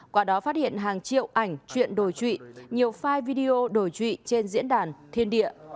qua đó phát hiện hàng triệu ảnh chuyện đồi trụy nhiều file video đổi trụy trên diễn đàn thiên địa